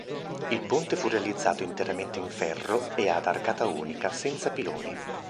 Il ponte fu realizzato interamente in ferro e ad arcata unica, senza piloni.